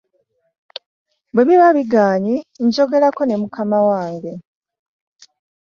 Bwe biba bigaanyi njogerako ne mukama wange.